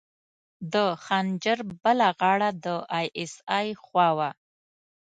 د خنجر بله غاړه د ای اس ای خوا وه.